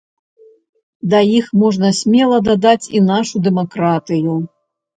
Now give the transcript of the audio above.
Да іх можна смела дадаць і нашу дэмакратыю.